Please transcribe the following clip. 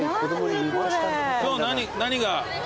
何が。